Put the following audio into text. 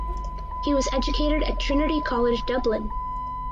He was educated at Trinity College Dublin.